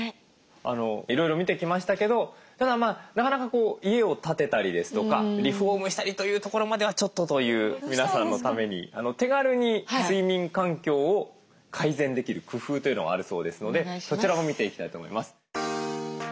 いろいろ見てきましたけどただなかなか家を建てたりですとかリフォームしたりというところまではちょっとという皆さんのために手軽に睡眠環境を改善できる工夫というのがあるそうですのでそちらも見ていきたいと思います。